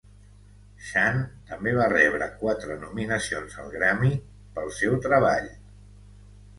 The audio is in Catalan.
Shand també va rebre quatre nominacions al Grammy pel seu treball.